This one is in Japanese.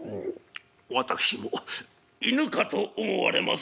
「私も犬かと思われます」。